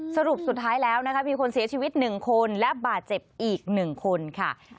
สรุปสุดท้ายแล้วนะคะมีคนเสียชีวิต๑คนและบาดเจ็บอีก๑คนค่ะ